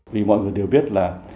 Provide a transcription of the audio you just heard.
vì mọi người đều biết là